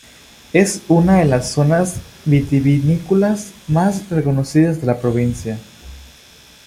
Es una de las zonas vitivinícolas más reconocidas de la Provincia.